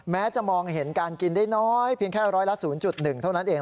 แม้จะมองเห็นการกินได้น้อยเพียงแค่ร้อยละศูนย์จุดหนึ่งเท่านั้นเอง